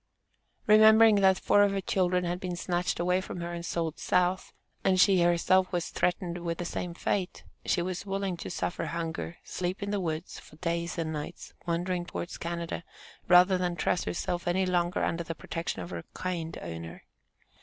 Remembering that four of her children had been snatched away from her and sold South, and she herself was threatened with the same fate, she was willing to suffer hunger, sleep in the woods for nights and days, wandering towards Canada, rather than trust herself any longer under the protection of her "kind" owner.